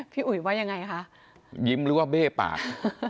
อุ๋ยว่ายังไงคะยิ้มหรือว่าเบ้ปาก